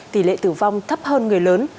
tỉ lệ tử vong thấp hơn người lớn